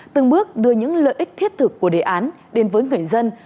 từng bước đưa những lợi ích thiết thực của đề án đến với người dân